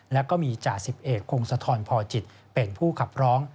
แล้วก็มีจ่าสิบเอกพงศธรพอจิตเป็นผู้ขับร้อง